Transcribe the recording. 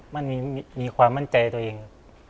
มันมีความมั่นใจตัวเองครับ